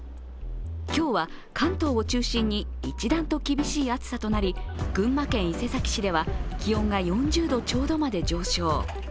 今日は関東を中心に、一段と厳しい暑さとなり群馬県伊勢崎市では気温が４０度ちょうどまで上昇。